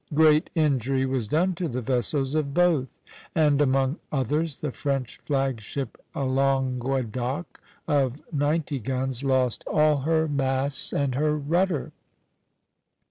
Great injury was done to the vessels of both, and among others the French flag ship "Languedoc," of ninety guns, lost all her masts and her rudder.